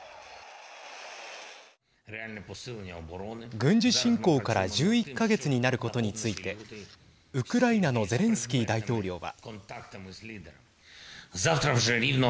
軍事侵攻から１１か月になることについてウクライナのゼレンスキー大統領は。